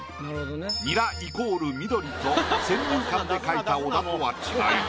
ニライコール緑と先入観で描いた小田とは違い